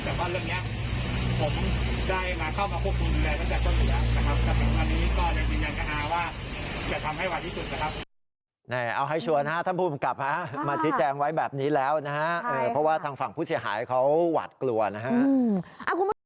แต่พอเรื่องนี้ผมได้มาเข้ามาควบคุม